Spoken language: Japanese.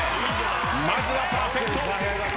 まずはパーフェクト！